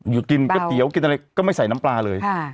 กินก๋วยเตี๋ยวกินอะไรก็ไม่ใส่น้ำปลาเลย